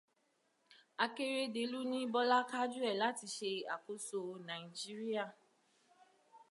Akérédelú ní Bọ́lá kájúẹ̀ láti ṣe àkóso Nàíjíríà.